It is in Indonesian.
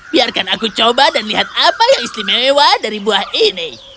biarkan aku coba dan lihat apa yang istimewa dari buah ini